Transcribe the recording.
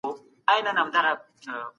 ایا احتکار یوازې په مرکز کي دی؟